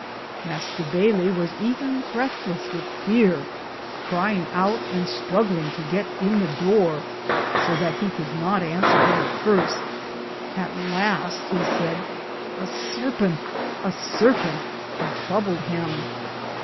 Mr. Baylle was even bretheless with feare, cryinge out, and with struglinge to gitt in at the doore, so thet he could not answer him at the firste ; at last he sayd : A sarpente! a sarpente ! had trubled him.